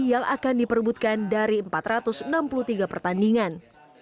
yang akan diperbutkan dari empat ratus enam puluh tiga pertandingan